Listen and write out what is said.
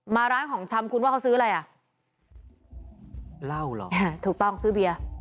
ร้านของชำคุณว่าเขาซื้ออะไรอ่ะเหล้าเหรออ่าถูกต้องซื้อเบียร์